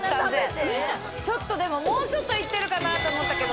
もうちょっといってるかなと思ったけど。